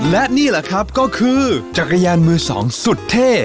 และนี่แหละครับก็คือจักรยานมือสองสุดเท่